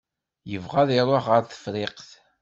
Yebɣa ad iṛuḥ ɣer Tefriqt.